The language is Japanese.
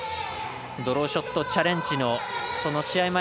ドローショットチャレンジの試合